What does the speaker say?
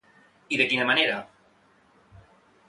I de quina manera?